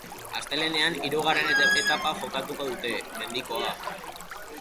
Astelehenean hirugarren etapa jokatuko dute, mendikoa.